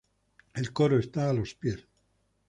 El coro está a los pies.